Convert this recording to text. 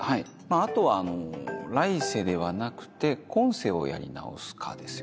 あとは来世ではなくて今世をやり直すかですよね。